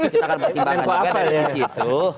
kita akan pertimbangkan juga dari situ